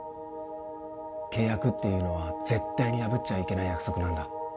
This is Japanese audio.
契約っていうのは絶対に破っちゃいけない約束なんだ